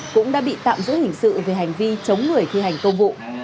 cũng đã bị tạm giữ hình sự về hành vi chống người thi hành công vụ